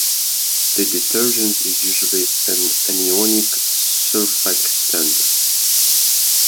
The detergent is usually an anionic surfactant.